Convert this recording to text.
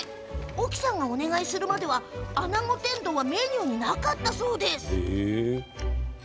沖さんがお願いするまではあなご天丼はメニューになかったそうです。